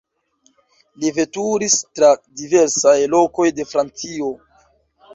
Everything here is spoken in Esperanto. Li veturis tra diversaj lokoj de Francio.